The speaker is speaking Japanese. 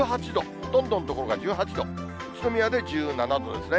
ほとんどの所が１８度、宇都宮で１７度ですね。